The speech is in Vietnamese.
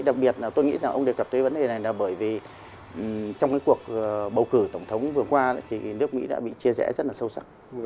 đặc biệt tôi nghĩ ông đề cập tới vấn đề này là bởi vì trong cuộc bầu cử tổng thống vừa qua nước mỹ đã bị chia rẽ rất sâu sắc